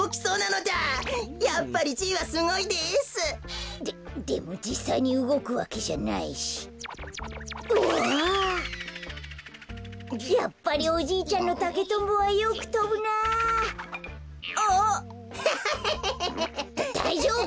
だだいじょうぶ！